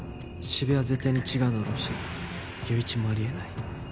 四部は絶対に違うだろうし友一もあり得ない。